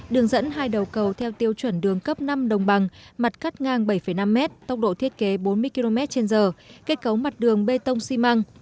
đường dẫn hai đầu cầu theo tiêu chuẩn đường cấp năm đồng bằng mặt cắt ngang bảy năm m tốc độ thiết kế bốn mươi km trên giờ kết cấu mặt đường bê tông xi măng